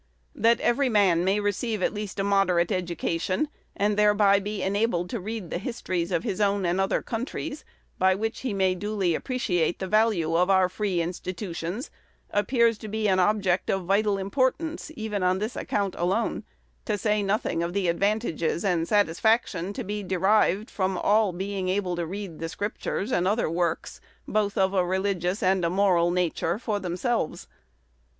That every man may receive at least a moderate education, and thereby be enabled to read the histories of his own and other countries, by which he may duly appreciate the value of our free institutions, appears to be an object of vital importance, even on this account alone, to say nothing of the advantages and satisfaction to be derived from all being able to read the Scriptures and other works, both of a religious and moral nature, for themselves.